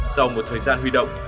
sau một thời gian huy động